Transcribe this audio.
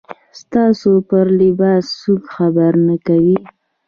ستاسو پر لباس څوک خبره نه کوي.